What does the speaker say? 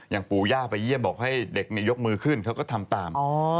ปู่ย่าไปเยี่ยมบอกให้เด็กยกมือขึ้นเขาก็ทำตาม